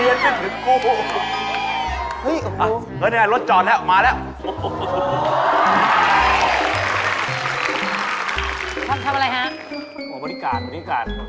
ไอ้นั่นเหมียนไม่ถึงกู